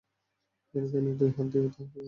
বিনোদিনী দুই হাত দিয়া তাহাকে খাট দেখাইয়া দিল।